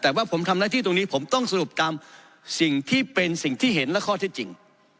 แต่ว่าผมทำหน้าที่ตรงนี้ผมต้องสรุปตามสิ่งที่เป็นสิ่งที่เห็นและข้อเท็จจริง